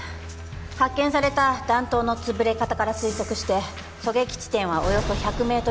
発見された弾頭の潰れ方から推測して狙撃地点はおよそ１００メートル圏内。